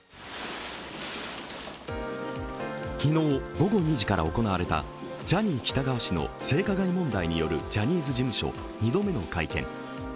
昨日午後２時から行われたジャニー喜多川氏の性加害問題に関わるジャニーズ事務所２度目の会見。